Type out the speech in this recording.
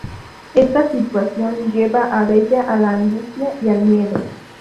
Esta situación lleva a Bella a la angustia y al miedo.